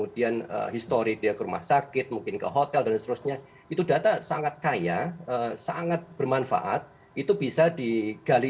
dan soal dugaan kebocoran data pribadi